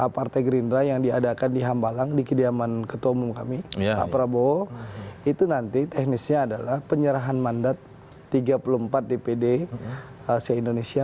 pak prabowo itu nanti teknisnya adalah penyerahan mandat tiga puluh empat dpd asia indonesia